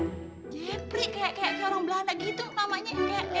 jafri kayak kayak orang belanda gitu namanya